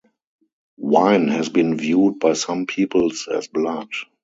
Wine has been viewed by some peoples as blood.